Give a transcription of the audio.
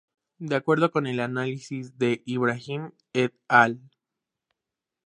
De acuerdo con el análisis de Ibrahim "et al".